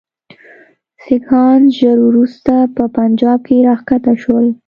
سیکهان ژر وروسته په پنجاب کې را کښته شول.